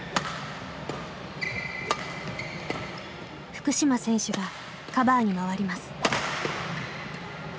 福島選手がカバーに回ります。